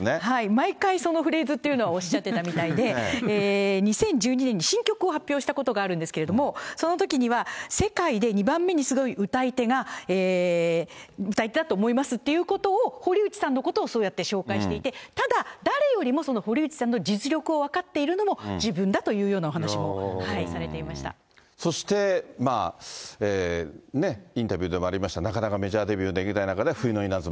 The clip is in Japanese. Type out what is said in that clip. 毎回そのフレーズというのはおっしゃってたみたいで、２０１２年に新曲を発表したことがあるんですけど、そのときには、世界で２番目にすごい歌い手だと思いますということを、堀内さんのことをそうやって紹介していて、ただ、誰よりも堀内さんの実力を分かっているのも自分だというようなおそしてまあ、インタビューでもありました、なかなかメジャーデビューできない中で、冬の稲妻。